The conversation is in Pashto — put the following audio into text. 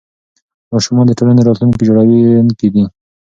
ماشومان د ټولنې راتلونکي جوړوونکي دي.